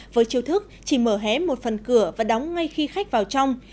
với chiêu thức chỉ mở hé một phần cửa và đóng ngay khi khách vào trong